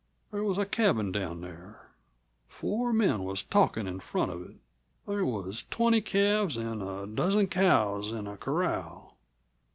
There was a cabin down there. Four men was talkin' in front of it. There was twenty calves an' a dozen cows in a corral.